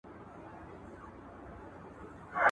دا موږ ته د ژوند نوي لیدلوري راکوي.